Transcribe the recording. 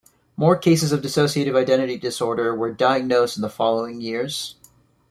More cases of dissociative identity disorder were diagnosed in the following years.